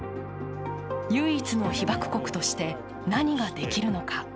唯一の被爆国として何ができるのか。